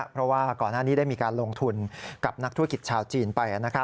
เพราะว่าก่อนหน้านี้ได้มีการลงทุนกับนักธุรกิจชาวจีนไป